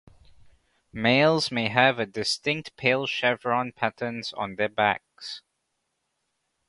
Males may have a distinct pale "chevron" patterns on their backs.